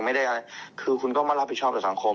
ไม่ได้อะไรคือคุณก็มารับผิดชอบต่อสังคม